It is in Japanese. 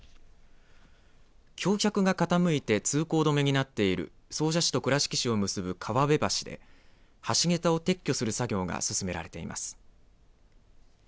橋脚が傾いて通行止めになっている総社市と倉敷市を結ぶ川辺橋で橋桁を撤去する作業が進められています。